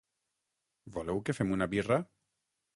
Voleu que fem una birra?